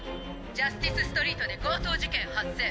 ジャスティスストリートで強盗事件発生」。